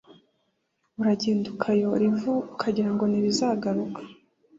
Uragenda ukayora ivu ukagira ngo nibizakugiraho ingaruka